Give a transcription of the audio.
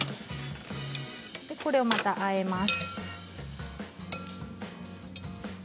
これを、またあえます。